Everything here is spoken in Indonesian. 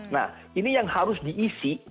nah ini yang harus diisi